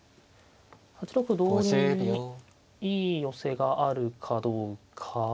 ８六歩同銀にいい寄せがあるかどうか。